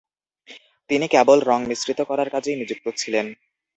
তিনি কেবল রঙ মিশ্রিত করার কাজেই নিযুক্ত ছিলেন।